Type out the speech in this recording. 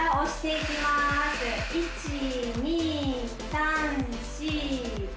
１２３４５。